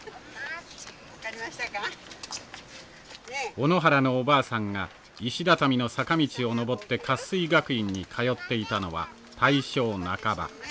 小野原のおばあさんが石だたみの坂道を上って活水学院に通っていたのは大正半ば。